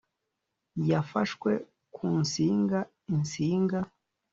yafashwe ku nsinga. .. insinga. .